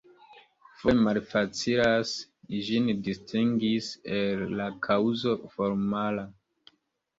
Foje malfacilas ĝin distingis el la kaŭzo formala.